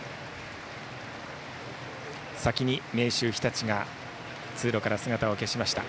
先に明秀日立が通路から姿を消しました。